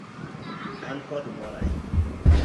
An kod mor ahinya.